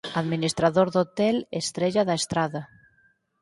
Administrador do Hotel Estrella da Estrada.